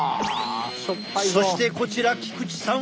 そしてこちら菊池さんは。